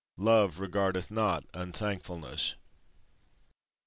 Love regardeth not unthankfulness.